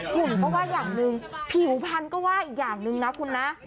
หุ่นก็ว่าอย่างหนึ่งผิวพันธุ์ก็ว่าอีกอย่างหนึ่งนะคุณนะ